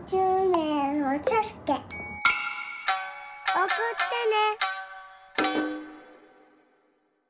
おくってね。